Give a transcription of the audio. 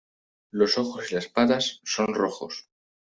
Los ojos y las patas son rojos.